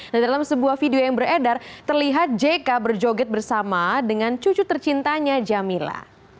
nah dalam sebuah video yang beredar terlihat jk berjoget bersama dengan cucu tercintanya jamila